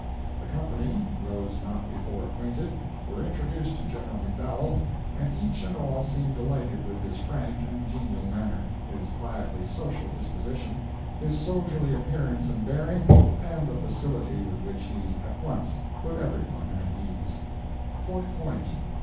The company—those not before acquainted—were introduced to General McDowell, and each and all seemed delighted with his frank and genial manner, his quietly social disposition, his soldierly appearance and bearing, and the facility with which he at once put every one at ease. FORT POINT.